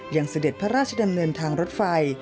เสด็จพระราชดำเนินทางรถไฟ